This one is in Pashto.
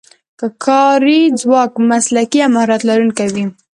که کاري ځواک مسلکي او مهارت لرونکی وي.